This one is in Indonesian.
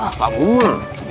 ah kak guma